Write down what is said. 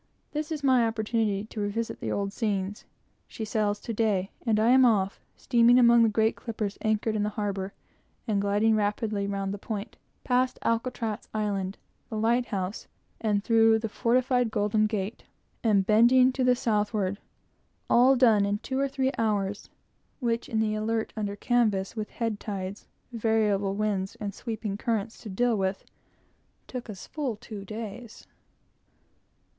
This is my opportunity to revisit the old scenes. She sails to day, and I am off, steaming among the great clippers anchored in the harbor, and gliding rapidly round the point, past Alcatraz Island, the light house, and through the fortified Golden Gate, and bending to the southward, all done in two or three hours, which, in the Alert, under canvas, with head tides, variable winds, and sweeping currents to deal with, took us full two days.